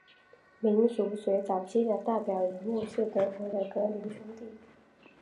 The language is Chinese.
民俗学早期的代表人物是德国的格林兄弟。